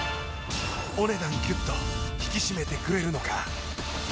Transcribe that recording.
お値段ギュッと引き締めてくれるのか。